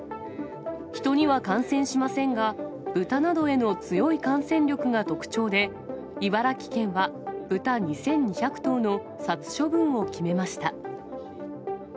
人には感染しませんが、豚などへの強い感染力が特徴で、茨城県は豚２２００頭の殺処分を決めました。